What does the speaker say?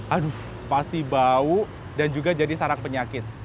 aduh pasti bau dan juga jadi sarang penyakit